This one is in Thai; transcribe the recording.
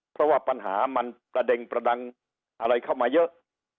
เพราะว่าปัญหามันกระเด็งประดังอะไรเข้ามาเยอะ